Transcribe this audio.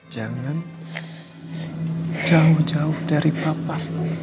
jangan jauh jauh dari papa